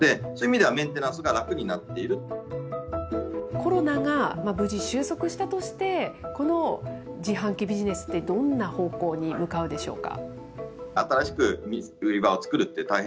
コロナが無事終息したとして、この自販機ビジネスってどんな方向に向かうでしょうか。